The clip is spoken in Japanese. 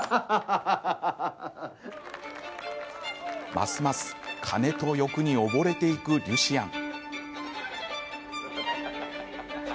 ますます金と欲に溺れていくリュシアン。